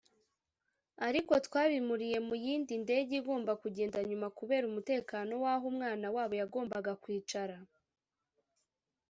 ariko twabimuriye mu yindi ndege igomba kugenda nyuma kubera umutekano w’aho umwana wabo yagombaga kwicara